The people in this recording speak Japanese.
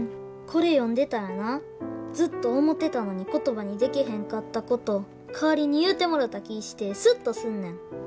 これ読んでたらなずっと思てたのに言葉にでけへんかったこと代わりに言うてもろた気ぃしてスッとすんねん。